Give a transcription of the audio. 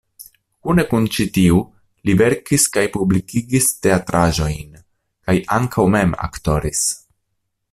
Kune kun ĉi tiu li verkis kaj publikigis teatraĵojn kaj ankaŭ mem aktoris.